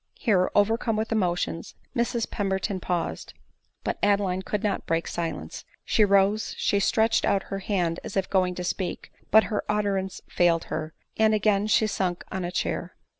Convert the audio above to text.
Here, overcome with emotion, Mrs Pemberton paused ; but Adeline could not break silence; she rose, she stretched out her hand as if going to speak, but her ut terance failed her, and again she sunk on a chair.